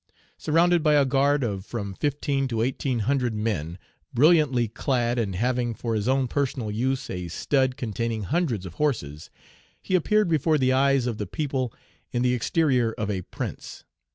Surrounded by a guard of from fifteen to eighteen hundred men, brilliantly clad, and having for his own personal use a stud containing hundreds of horses, he appeared before the eyes of the people in the exterior of a prince.